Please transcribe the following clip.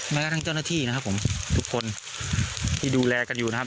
แม้กระทั่งเจ้าหน้าที่นะครับผมทุกคนที่ดูแลกันอยู่นะครับ